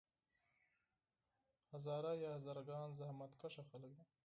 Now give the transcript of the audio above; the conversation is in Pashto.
هزاره یا هزاره ګان زحمت کښه خلک دي.